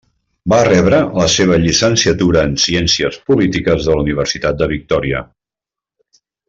Va rebre la seva llicenciatura en ciències polítiques de la Universitat de Victòria.